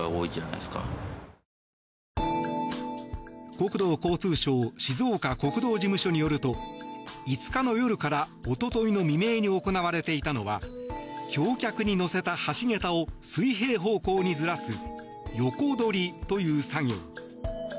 国土交通省静岡国道事務所によると５日の夜から、おとといの未明に行われていたのは橋脚に乗せた橋桁を水平方向にずらす横取りという作業。